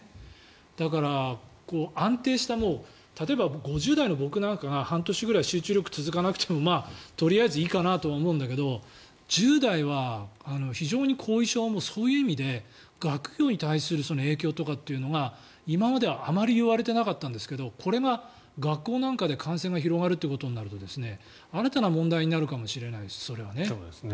だから安定した例えば５０代の僕なんかが半年ぐらい集中力続かなくてもとりあえずいいかなと思うんだけど１０代は非常に後遺症はそういう意味で学業に対する影響とかというのが今まではあまりいわれてなかったんですがこれが学校なんかで感染が広がるということになると新たな問題になるかもしれないですね。